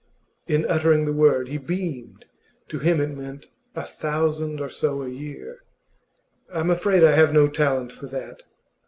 In uttering the word he beamed; to him it meant a thousand or so a year. 'I am afraid I have no talent for that.